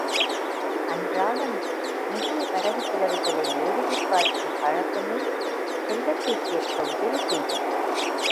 அன்றாடம் நிதி வரவு செலவுகளை எழுதிப் பார்க்கும் பழக்கமே செல்வத்தைச் சேர்க்க உதவி செய்யும்.